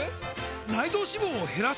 内臓脂肪を減らす！？